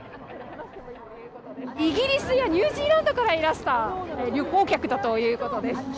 イギリスやニュージーランドからいらした旅行客だということです。